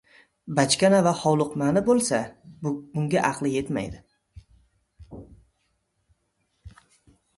Bachkana va hovliqmani bo‘lsa bunga aqli yetmaydi.